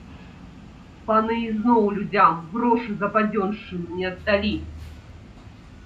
Паны ізноў людзям грошы за падзёншчыну не аддалі.